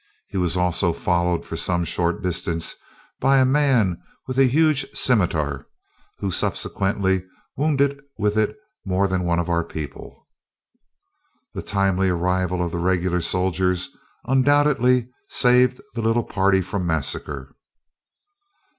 He was also followed for some short distance by a man with a huge scimitar, who subsequently wounded with it more than one of our people." The timely arrival of the regular soldiers undoubtedly saved the little party from massacre.